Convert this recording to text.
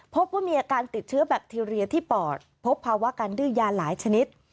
พบว่ามีอาการติดเชื้อแบคทีเรียที่ปอดพบภาวะการดื้อยาหลายชนิด